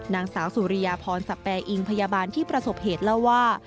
นางสาวสุริยาพรสแปรอิงพยาบาลที่ประสบเหตุเล่าว่า